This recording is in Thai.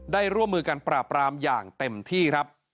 ได้ร่วมมือกันปราบปรามอย่างเต็มที่